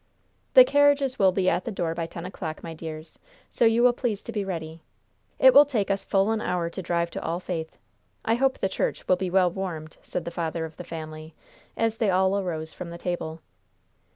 "The carriages will be at the door by ten o'clock, my dears, so you will please to be ready. It will take us full an hour to drive to All Faith. I hope the church will be well warmed," said the father of the family, as they all arose from the table.